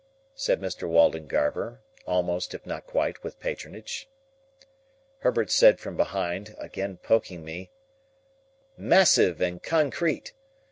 said Mr. Waldengarver, almost, if not quite, with patronage. Herbert said from behind (again poking me), "Massive and concrete."